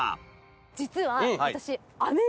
実は私。